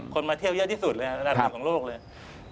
มาเที่ยวเยอะที่สุดเลยอันดับหนึ่งของโลกเลย